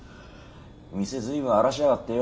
店随分荒らしやがってよ。